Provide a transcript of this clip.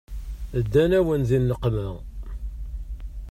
Ddan-awen di nneqma.